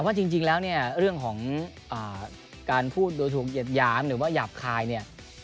แต่ว่าจริงแล้วเนี่ยเรื่องของการพูดตัวถูกหยาบหรือว่าหยาบคายเนี่ย